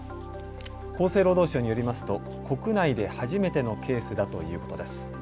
厚生労働省によりますと国内で初めてのケースだということです。